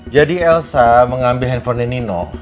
jadi elsa mengambil handphone nino